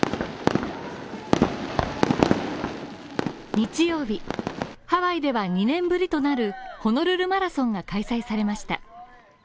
日曜日、ハワイでは２年ぶりとなるホノルルマラソンが開催されました。